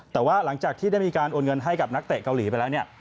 แต่ว่าหลังจากที่ได้มีการโอนเงินให้กับนักเตะเกาหลีไปแล้วเนี่ย